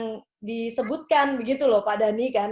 yang disebutkan begitu loh pak dhani kan